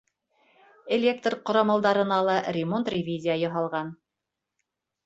Электр ҡорамалдарына ла ремонт-ревизия яһалған.